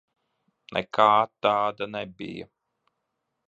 Nekā tāda nebija.